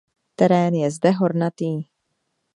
Terén je zde hornatý.